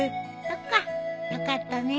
そっかよかったね。